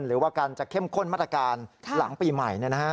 หรือว่าการจะเข้มข้นมาตรการหลังปีใหม่